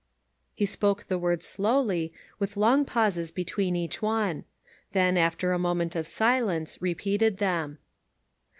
He spoke the words slowly, with long pauses between each one. Then, after a moment of silence, repeated them.